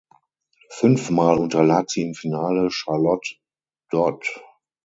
Fünfmal unterlag sie im Finale Charlotte Dod.